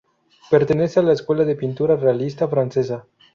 Pertenece a la escuela de pintura realista francesa.